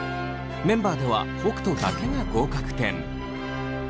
メンバーでは北斗だけが合格点。